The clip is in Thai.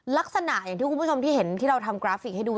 ลักษณะอย่างที่คุณผู้ชมที่เห็นที่เราทำกราฟิกให้ดู